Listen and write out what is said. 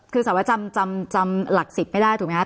คือสาวว่าจำหลักสิบไม่ได้ถูกไหมครับ